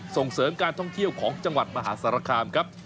ส่งเสริมการท่องเที่ยวของจังหวัดมหาสารคามครับ